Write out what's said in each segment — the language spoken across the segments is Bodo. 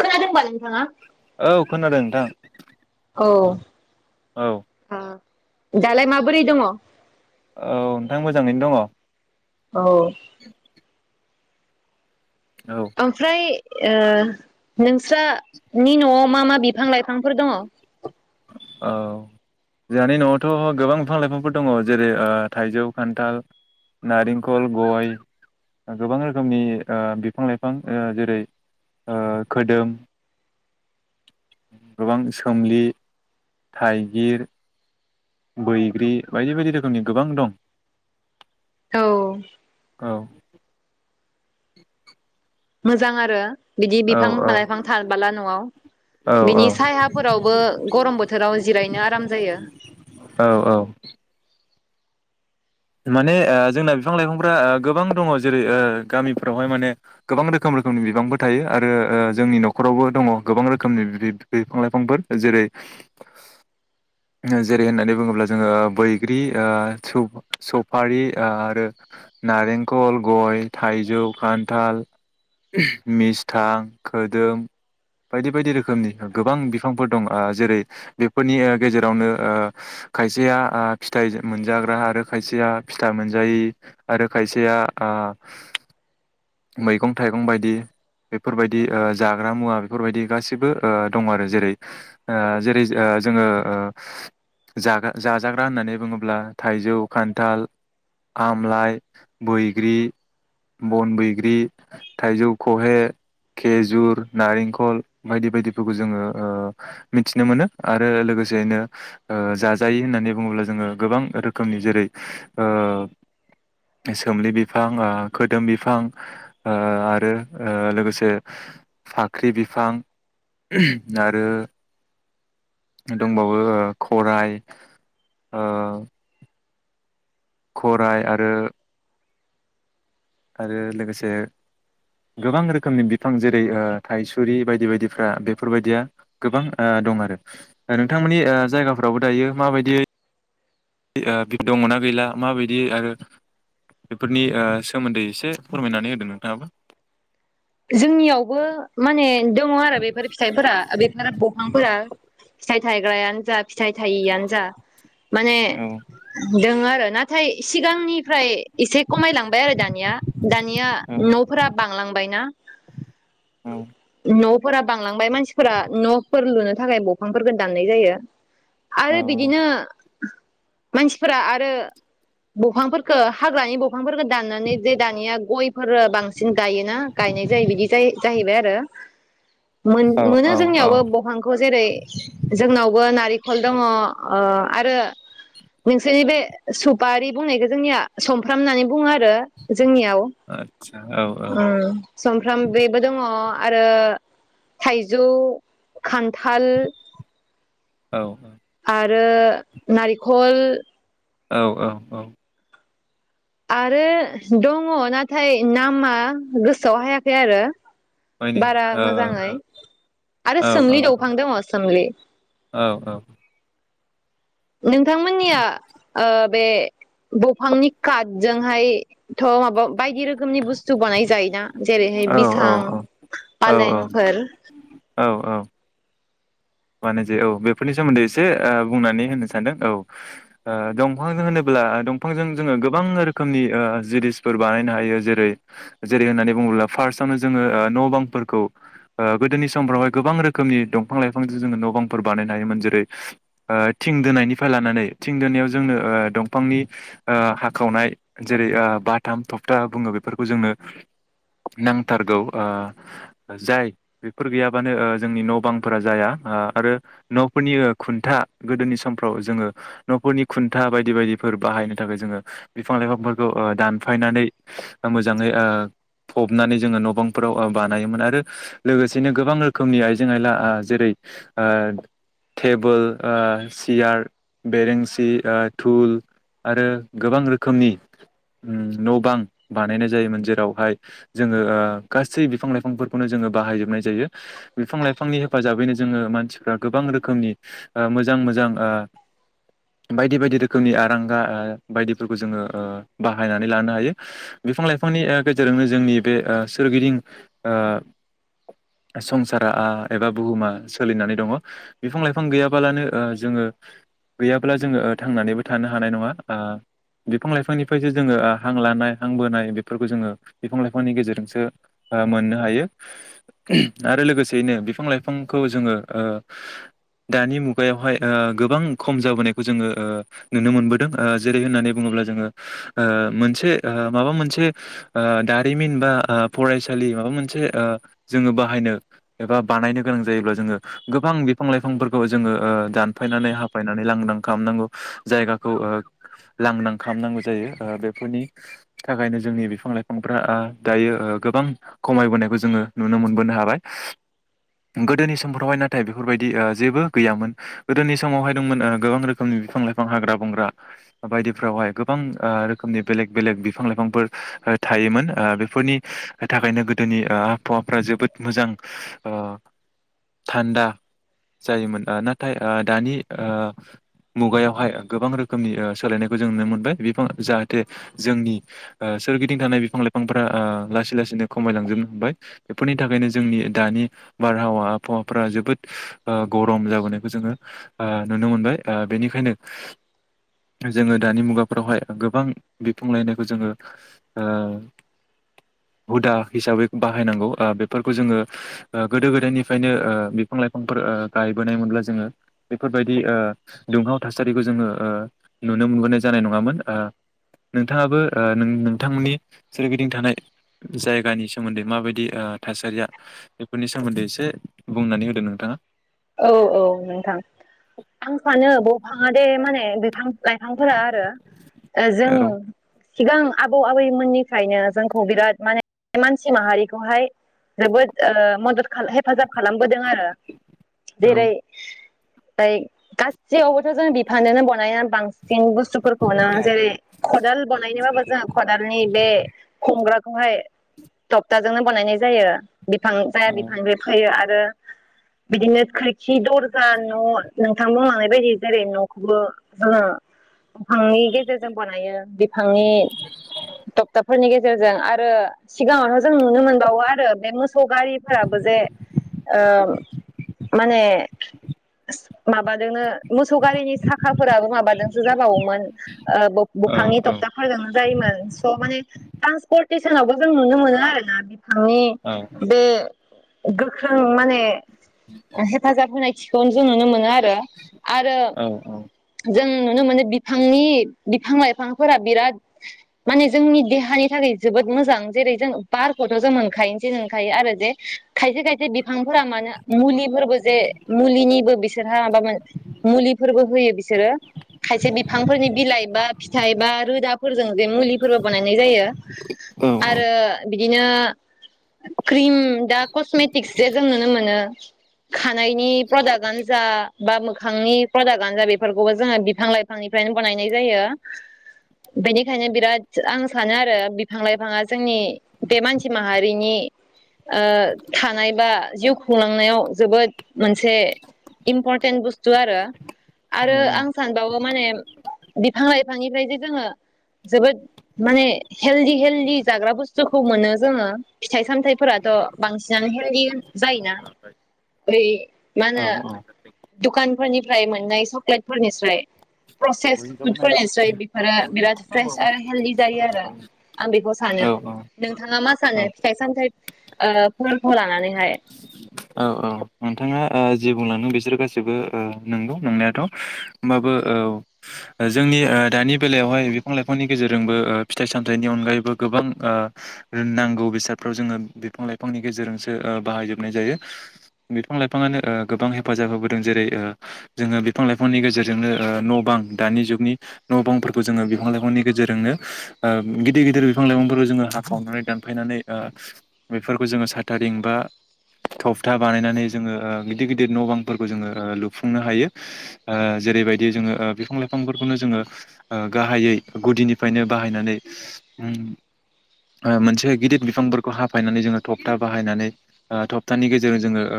खोनादों बा नोंथांङा? औ खोनादों नोंथां। औ औ दालाय माबोरै दङ? औ नोंथां मोजाङैनो दङ। औ ओमफ्राय ओ नोंस्रा नि न'आव मा मा बिफां लाइफांफोर दङ? औ जोंहानि न'आवथ' गोबां बिफां लाइफांफोर दङ। जेरै ओ थाइजौ, खान्थाल, नारेंखल, गय गोबां रोखोमनि ओ बिफां लाइफां ओ जेरै ओ खोदोम गोबां सोमलि। थाइगिर, बैग्रि बायदि बायदि रोखोमनि गोबां दं। औ औ मोजां आरो। बिदि औ बिफां औ लाइफां थाबाला न'आव। औ बिनि औ सायाफोरावबो गरम बोथोराव जिरायनो आराम जायो। औ औ माने ओ जोंना बिफां लाइफांफोरा ओ गोबां दङ जेरै ओ गामिफ्रावहाय माने गोबां रोखोम रोखोमनि बिफांफोर थायो आरो ओ जोंनि न'खरावबो दङ गोबां रोखोमनि ब्रि बिद बिफां लाइफांफोर जेरै नो जेरै होननानै बुङोब्ला जोङो बैग्रि ओ स-सफारि आरो नारेंखल, गय, थाइजौ, खान्थाल, मिस्थां, खोदोम बायदि बायदि रोखोमनि गोबां बिफांफोर दं ओ जेरै बेफोरनि गेजेरावनो ओ खायसेया आ फिथाइ मोनजाग्रा आरो खायसेया फिथा मोनजायै आरो खायसेया आ मैगं-थाइगं बायदि बेफोरबायदि ओ जाग्रा मुवा बेफोरबायदि गासिबो ओ दं आरो जेरै ओ जेरै जो ओ जोङो ओ जागा जाजाग्रा होननानै बुङोब्ला थाइजौ, खान्थाल, आमलाइ, बैग्रि बनबै ग्रि, थाइजौ खहे, खेजुर, नारेंखल बायदि बायदिफोरखौ जोङो ओ मिथिनो मोनो आरो लोगोसेयैनो ओ जाजायै होननानै बुङोब्ला जोङो गोबां रोखोमनि जेरै ओ सोमलि बिफां, आ खोदोम बिफां आ आरो ओ लोगोसे फाख्रि बिफां आरो दंबावो ओ खराय ओ खराइ आरो आरो लोगोसे गोबां रोखोमनि बिफां जेरै ओ थायसुरि बायदि बायदिफ्रा बेफोरबायदिया गोबां ओ दं आरो नोंथांमोननि ओ जायगाफ्रावबो दायो माबायदियै दि ओ दंना गैला माबायदि आरो बेफोरनि ओ सोमोन्दै एसे फोरमायनानै होदों नोंथाङाबो जोंनियावबो माने दङ आरो बेफोर फिथाइफोरा बेफोर ब'फांफोरा फिथाय थायग्रायानो जा फिथाइ थायिआनो जा माने औ दोङो आरो नाथाय सिगांनिफ्राय एसे खमायलांबाय आरो दानिया दानिया न'फोरा बांलांबायना औ न'फोरा बांलांबाय मानसिफोरा न'फोर लुनो थाखाय ब'फांफोरखौ दाननाय जायो। आरो बिदिनो मानसिफोरा आरो ब'फांफोरखौ हाग्रानि ब'फांफोरखौ दाननानै जे दानिया गयफोर बांसिन गायोना गायनाय जायो बिदि जाय जाहैबाय आरो मोन मोनो औ औ जोंनियावबो बहांखौ जेरै जोंनावबो नारि खल दङ ओ आरो नोंसोरनि बे सुपारि बुंनायखौ जोंनिया समफ्राम होननानै बुङो आरो जोंनियाव आदसा औ औ ओ ओंफ्राम बेबो दङ। अ आरो थाइजौ, खान्थाल औ औ आरो नारिखल औ औ औ आरो दङ नाथाय नामा गोसोआव हायाखै आरो माने बारा औ मोजाङै आरो औ सोमलि दौफां दङ सोमलि औ औ नोंथांमोननिया ओ बे ब'फांनि काथजोंहाय थ' माबा बायदि रो रोखोमनि बुस्थु बानाय जायोना जेरैहाय औ बिसां, औ फालेंफोर औ औ बानाय जायो औ बेफोरनि सोमोन्दै एसे बुंनानै होननो सानदों औ ओ दंफांजों होनोब्ला ओ दंफांजों जोङो गोबां रोखोमनि ओ जिनिसफोर बानायनो हायो जेरै जेरै होननानै बुङोब्ला फार्सआवनो जोङो न' बांफोरखौ ओ गोदोनि समफ्रावहाय गोबां रोखोमनि दंफां लाइफां जोङो न' बांफोर बानायनो हायोमोन जेरै ओ थिं दोनायनिफ्राय लानानै थिं दोनायाव जोंनो ओ दंफांनि ओ हाखावनाय जेरै ओ बाथाम थखथा बुङो, बेफोरखौ जोंनो नांथारगौ ओ जाय बेफोर गैयाबानो जोंनि ओ न' बांफोरा जाया ओ आरो न'फोरनि खुन्था गोदोनि समफ्राव जोङो न'फोरनि खुन्था बायदि बायदिफोर बाहायनो थाखाय जोङो बिफां लाइफांफोरखौ ओ दानफायनानै मोजाङै ओ फबनानै जोङो न' बांफोराव ओ बानायोमोन आरो लोगोसेनो गोबां रोखोमनि आइजें आयला आ जेरै ओ टेबोल ओ सियार बेरेंसि ओ थुल आरो गोबां रोखोमनि उम न' बां बानायनाय जायोमोन जेरावहाय जोङो ओ गासै बिफां लाइफांफोरखौनो जोङो बाहायजोबनाय जायो बिफां लाइफांनि हेफाजाबैनो जोङो मानसिफ्रा गोबां रोखोमनि ओ मोजां मोजां ओ बायदि बायदि रोखोमनि आरांगा ओ बायदिफोरखौ जोङो ओ बाहायनानै लानो हायो बिफां लाइफांनि ओ गेजेरजोंनो जोंनि बे ओ सोरगिदिं ओ संसारा आ एबा बुहुमा सोलिनानै दङ बिफां-लाइफां गैयाबालानो ओ जोङो गैयाब्ला जोङो ओ थांनानैबो थानो हानाय नङा आ बिफां लाइफांनिफ्रायसो जोङो ओ हां लानाय हां बोनाय बेफोरखौ जोङो बिफां-लाइफांनि गेजेरजोंसो ओ मोननो हायो आरो लोगोसेयैनो बिफां-लाइफां खौ जोङो ओ दानि मुगायावहाय ओ गोबां खम जाबोनायखौ जोङो ओ नुनो मोनबोदों ओ जेरै होननानै बुङोब्ला जोङो ओ मोनसे ओ माबा मोनसे ओ दारिमिन बा ओ फरायसालि माबा मोनसे ओ जोङो बाहायनो एबा बानायनो गोनां जायोब्ला जोङो गोबां बिफां-लाइफांफोरखौ जोङो ओ दानफायनानै हाफायनानै लांदां खालामनांगौ जायगाखौ ओ लांदां खालामनांगौ जायो ओ बेफोरनि थाखायनो जोंनि बिफां-लाइफांफ्रा आ दायो ओ गोबां खमायबोनायखौ जोङो नुनो मोनबोनो हाबाय गोदोनि समफोरावहाय नाथाय बेफोरबायदि ओ जेबो गैयामोन गोदोनि समावहाय दंमोन ओ गोबां रोखोमनि बिफां लाइफां हाग्रा बंग्रा बायदिफ्रावहाय गोबां आ रोखोमनि बेलेग बेलेग बिफां-लाइफांफोर ओ थायोमोन ओ बेफोरनि थाखायनो गोदोनि आ आबहावाफ्रा जोबोद मोजां आ थान्दा जायोमोन आ नाथाय आ दानि आ मुगायावहाय गोबां रोखोमनि ओ सोलायनायखौ जों नुनो मोनबाय बिफां जाहाथे जोंनि ओ सोरगिदिं थानाय बिफां लाइफांफोरा आ लासै लासैनो खमायलांजोबनो हबाय बेफोरनि थाखायनो जोंनि दानि बारहावा आबहावाफ्रा जोबोद ओ गरम जाबोनायखौ जोङो ओ नुनो मोनबाय ओ बेनिखायनो जोङो दानि मुगाफ्रावहाय गोबां बिफां गायनायखौ जोङो ओ हुदा हिसाबै बाहायनांगौ ओ बेफोरखौ जोङो ओ गोदो गोदायनिफ्रायनो ओ बिफां लाइफांफोर ओ गायबोनायमोनब्ला जोङो बेफोरबायदि ओ दुंहाव थासारिखौ जोङो ओ नुनो मोनबोनाय जानाय नङामोन। ओ नोंथाङाबो ओ नों नोंथांमोननि सोरगिदिं थानाय जायगानि सोमोन्दै माबायदि ओ थासारिया बे बेफोरनि सोमोन्दै एसे बुंनानै होदो नोंथाङा। औ औ नोंथां आं सानो दंफाङा दे माने बिफां लाइफांफोरा आरो जों औ सिगां आबौ आबैमोननिफ्रायनो जोंखौ बिराद माने मानसि माहारिखौहाय जोबोद ओ मदद खा हेफाजाब खालामबोदों आरो। औ जेरै ओमफाइ गासैयावबोथ' जों बिफानजोंनो बनायनानै बां सिन औ बुस्थुफोरखौनो जेरै खदाल बनायनोबाबो जोङो खदालनि बे हमग्रा बेखौहाय तकथाजोंनो बनायनाय जायो। बिफां जाया बिफां बे फैयो आरो ओ बिदिनो खै खि दरजा न' नोंथांमोनालाय बे बादि जेरै न'खैबो जोङो दंफांनि गेजेरजों बनायो बिफांनि थक थाब फोरनि गेजेरजों आरो सिगाङावनो जों नुनो मोनबावो आरो बे मोसौ गारिफोराबो जे ओ माने माबाजोंनो मोसौ गारिनि साखाफोराबो माबाजोंसो जाबावोमोन ओ बब बबफांनि औ दक्थाफोरजोंनो जायोमोन स' माने ट्रान्सपर्टेसनावबो जों नुनो मोनो आरो ना बिब फांनि बे गोख्रों माने [inaudible] ओ हेफाजाब होननाय थिखौनो जों नुनो मोनो आरो आरो औ जों नुनो मोनो बिफांनि बिफां लाइफांफोरा बिराद माने जोंनि देहानि थाखाय जोबोद मोजां जेरै जों बारखौथ' जों मोनखायोनसै मोनखायो आरो जे खायसे खायसे बिफां फोरा मानो मुलिब बो जे मुलिनिबो बिसोरहा माबा मो मुलिफोरबो होयो बिसोरो खायसे बिफांफोरनि बिलाइ बा फिथाइ बा रोदाफोरजों जे मुलिफोरबो बानायनाय जायो औ आरो बिदिनो क्रिम दा कस्मेटिक् से जों नुनो मोनो। खानायनि प्रडाक्टआनो जा बा मोखांनि प्रडाक्टआनो जा बेफोरखौबो जोङो बिफां लाइफांनिफ्रायनो बनायनाय जायो। बेनिखायनो बिराद आं सानो आरो बिफां लाइफाङा जोंनि बे मानसि माहारिनि आ थानाय बा जिउ खुंलांनायाव जोबोद मोनसे इम्परटेन्ट बुस्थु आरो। आरो आं सानबावो माने बिफां लाइफांनिफ्राय जे जोङो जोबोद माने हेलदि हेलदि जाग्रा बुस्थुखौ मोनो जोङो फिथाइ सामथायाइफोराथ' बांसिनानो हेलदि जायोना बै मा होनो दुखानफोरनिफ्राय मोननाय चक्लेटफोरनिस्राय प्रसेस फुडफोरनिस्राय बेफोरो औ बिराद फ्रेस आरो हेलदि जायो आरो आं बेखौ औ सानो औ नोंथाङा मा औ सानो फिथाइ सामथाय ओ फोरखौ लानानैहाय? औ औ नोंथाङा ओ जि बुंलांदों बिसोर गासैबो ओ नंगौ नंनायाथ'। होमबाबो औ जोंनि ओ दानि बेलायावहाय बिफां लाइफांनि गेजेरजोंबो ओ फिथाइ सामथाइनि अनगायैबो गोबां ओ‌ नांगौ बेसादफ्राव जोङो बिफां लाइफांनि गेजेरजोंसो ओ बाहायजोबनाय जायो। बिफां लाइफाङानो ओ गोबां हेफाजाब होबोदों जेरै ओ जोङो बिफां लाइफांनि गेजेरजोंनो ओ न' बां दानि जुगनि न' बांफोरखौ जोङो बिफां लाइफांनि गेजेरजोंनो ओ गिदिर गिदिर बिफां लाइफांफोरखौ जोङो हाखावनानै दानफायनानै ओ बेफोरखौ जोङो साथारिं बा थफथा बानायनानै जोङो ओ गिदिर गिदिर न' बांफोरखौ जोङो ओ लुफुंनो हायो ओ जेरैबायदि ओ जोङो बिफां लाइफांफोरखौनो जोङो ओ गाहायै गुदिनिफायनो बाहायनानै उम ओ मोनसे गिदिर बिफांफोरखौ हाफायनानै जोङो थखथा बाहायनानै थक नि गेजेरजों जोङो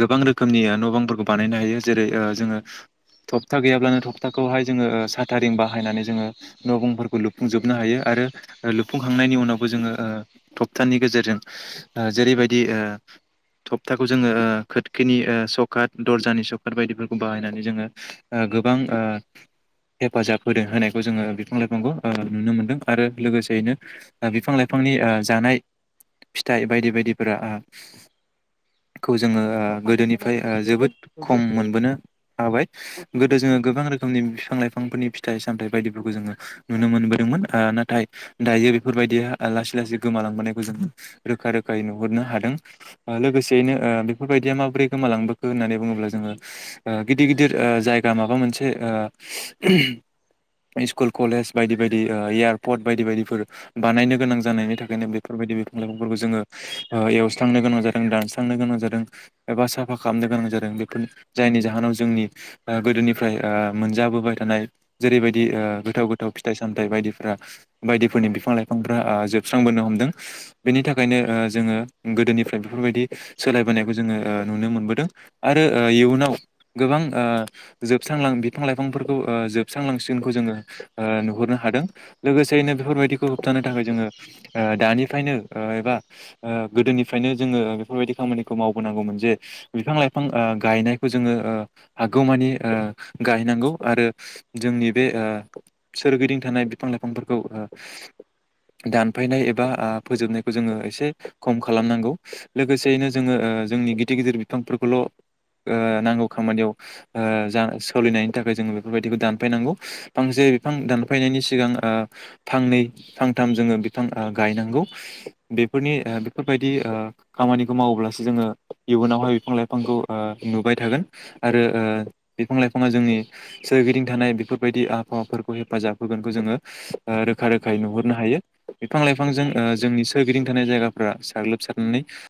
गोबां रोखोमनि न बांफोरखौ बानायनो हायो जेरै ओ जोङो थपथा गैयाब्लानो थप्थाखौहाय जोङो साथारिं बाहायनानै जोङो न बांफोरखौ लुफुंजोबनो हायो आरो लुफुंखांनायनि उनावबो जोङो ओ थप्थानि गेजेरजों ओ जेरैबायदि ओ थप्थाखौ ओ जोङो खोरखिनि ओ सकात दरजानि सकात बायदिफोरखौ बाहायनानै जोङो गोबां ओ हेफाजाब होदों होनायखौ जोङो बिफां लाइफांखौ नुनो मोनदों आरो लोगोसेयैनो बिफां लाइफांनि ओ जानाय फिथ फिथाइ बायदि बायदिफोरा ओ खौ जोङो ओ गोदोनिफाय ओ जोबोद खम मोनबोनो हाबाय गोदो जोङो गोबां रोखोमनि बिफां लाइफांफोरनि फिथाइ सामथाइ बायदिफोरखौ जोङो नुनो मोनबोदोंमोन ओ‌ नाथाय दायो बेफोरबायदिया लासै लासै गोमालांबोनायखौ जोङो रोखा रोखायै नुहरनो हादों ओ‌ लोगोसेयैनो ओ बेफोरबायदिया माबोरै गोमालांबोखो होननानै बुङोब्ला जोङो ओ गिदिर गिदिर‌ ओ जायगा माबा मोनसे ओ‌ स्कुल कलेज बायदि बायदि ओ एयारपर्ट बायदि बायदिफोर बानायनो गोनां जानायनि थाखायनो बेफोरबायदि बिफां लायफां फोरफोरखौ जोङो ओ एवसांनो गोनां जादों दानस्रांनो गोनां जादों एबा साफा खालामनो गोनां जादों बेफोर जायनि जाहोनाव जोंनि गोदोनिफ्राय मोनजाबोबाय थानाय जेरैबायदि ओ गोथाव गोथाव फिथाइ सामथाइ बायदिफोरा बायदिफोरनि बिफां लाइफांफ्रा ओ जोबस्रांबोनो हमदों। बेनि थाखायनो ओ जोङो गोदोनिफ्राय बेफोरबायदि सोलायबोनायखौ जोङो ओ नुनो मोनबोदों आरो ओ इयुनाव गोबां ओ जोबस्रांलां बिफां लाइफांफोरखौ ओ जोबस्रांलांसिगोनखौ जोङो ओ नुहरनो हादों लोगोसेयैनो बेफोरबायदिखौ होबथानो थाखाय जोङो ओ दानिफ्रायनो ओ एबा ओ गोदोनिफ्रायनो जोङो ओ बेफोरबायदि खामानिखौ मावबोनांगौमोन जे बिफां लाइफां ओ गायनायखौ जोङो ओ हागौमानि ओ गायनांगौ आरो जोंनि बे ओ सोरगिदिं थानाय बिफां लाइफांफोरखौ ओ दानफायनाय एबा आ फोजोबनाय जोङो एसे खम खालामनांगौ लोगोसेयैनो जोङो ओ जोंनि गिदिर गिदिर बिफांफोरखौल' ओ नांगौ खामानियाव ओ जा सोलिनायनि थाखाय जोङो बेफोरबायदिखौ दानफायनांगौ फांसे बिफां दानफायनायनि सिगां ओ फांनै फांथाम जोङो बिफां ओ गायनांगौ। बेफोरनि ओ बेफोरबायदि ओ खामानिखौ मावोब्लासो जोङो इयुनावहाय बिफां लाइफांखौ ओ नुबाय थागोन आरो ओ बिफां लाइफाङा जोंनि सोरगिदिं थानाय बेफोरबायदि आबहावाफोरखौ हेफाजाब होगोनखौ जोङो ओ रोखा रोखायै नुहरनो हायो बिफां लाइफांजों ओ जोंनि सो सोरगिदिं थानाय जायगाफ्रा साग्लोबसारनानै